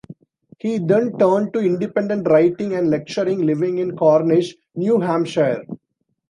He then turned to independent writing and lecturing, living in Cornish, New Hampshire.